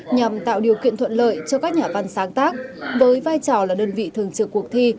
nhằm tạo điều kiện thuận lợi cho các nhà văn sáng tác với vai trò là đơn vị thường trực cuộc thi